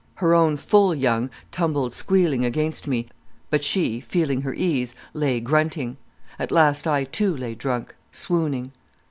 Her own full young tumbled squealing against me, but she, feeling her ease, lay grunting. At last I, too, lay drunk, swooning.